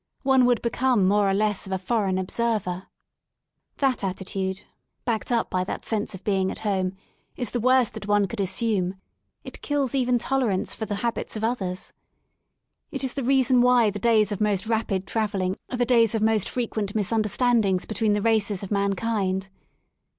One would become more or less of a foreign observer. That attitude, backed up by that sense of being at home, is the worst that one could assume ; it kills even tolerance for the habits of others. It is the reason why the days of most rapid travelling are the days of most frequent misunderstandings between the races of man kind.